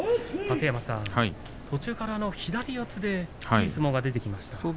楯山さん、途中から左四つでいい相撲が出てきました。